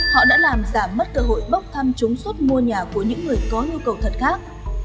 họ đã làm giảm mất cơ hội bốc thăm chúng suất mua nhà của những người có nhu cầu thật khác